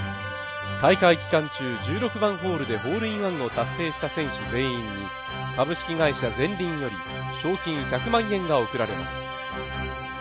大会期間中１６番ホールでホールインワンを達成した選手全員に株式会社ゼンリンより賞金１００万円が贈られます。